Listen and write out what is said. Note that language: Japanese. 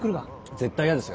絶対やですよ。